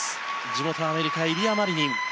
地元アメリカイリア・マリニン。